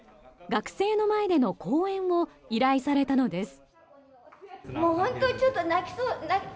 学生の前での講演を依頼されたのです。